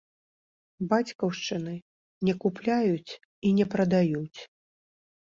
Бацькаўшчыны не купляюць і не прадаюць